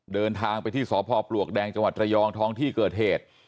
เดินทางไปที่สพปลวกแดงจังหวัดระยองท้องที่เกิดเหตุ